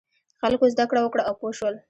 خلکو زده کړه وکړه او پوه شول.